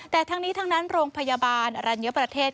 แต่ทั้งนี้ทั้งนั้นโรงพยาบาลอรัญญประเทศ